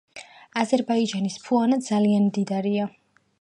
აზერბაიჯანის ფაუნა ძალიან მდიდარია.